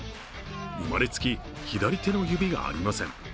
生まれつき左手の指がありません。